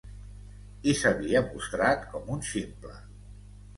I s'havia mostrat com un ximple.